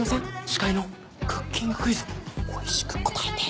司会の「クッキングクイズおいしくこたえて！」。